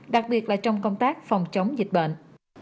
đặc biệt là trong công tác phòng chống dịch bệnh